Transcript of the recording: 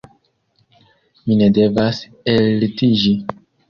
Mi ne devas ellitiĝi.«